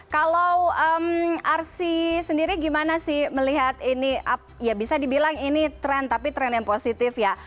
kalau arsy sendiri gimana sih melihat ini ya bisa dibilang ini tren tapi tren yang positif ya